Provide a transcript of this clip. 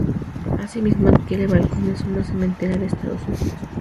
Así mismo, adquiere "Balcones", una cementera de Estados Unidos.